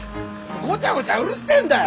ごちゃごちゃうるせえんだよ！